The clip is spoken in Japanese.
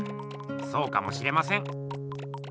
そうかもしれません。